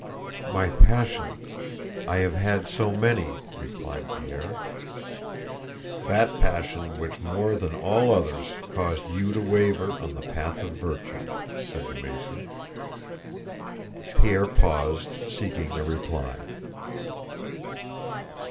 "My passion! I have had so many," replied Pierre. "That passion which more than all others caused you to waver on the path of virtue," said the Mason. Pierre paused, seeking a reply.